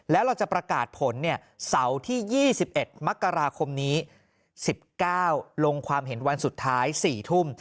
แล้วเราจะประกาศผลเสาร์ที่๒๑มกราคมนี้๑๙ลงความเห็นวันสุดท้าย๔ทุ่ม